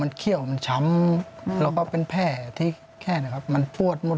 มันเขี้ยวมันช้ำเราก็เป็นแพร่ที่แค่นี้ครับมันปวดหมดเลยครับ